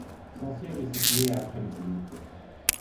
Son siège est situé à Przemyśl.